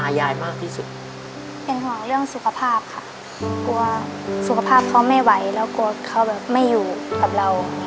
กลับมาจากกินก็ไม่ช่วยยายไปของยุณาบาลเลย